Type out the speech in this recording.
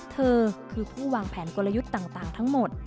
เธอคือผู้วางแผนกลยุทธ์ต่างทั้งหมด